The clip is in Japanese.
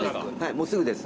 もうすぐです。